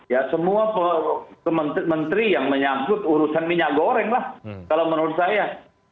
ya semua menteri yang menyangkut urusan minyak goreng lah kalau menurut saya